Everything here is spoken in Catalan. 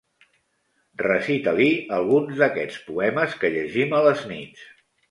Recita-li algun d'aquests poemes que llegim a les nits.